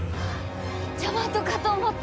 ジャマトかと思った。